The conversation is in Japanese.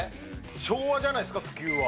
昭和じゃないですか普及は。